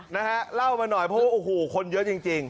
นะฮะเล่ามาหน่อยเพราะว่าโอ้โหคนเยอะจริง